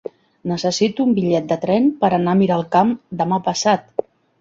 Necessito un bitllet de tren per anar a Miralcamp demà passat.